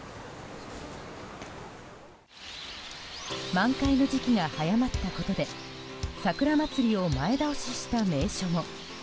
満開の時期が早まったことで桜祭りを前倒しした名所も。